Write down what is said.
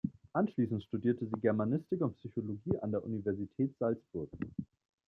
Anschließend studierte sie Germanistik und Psychologie an der Universität Salzburg.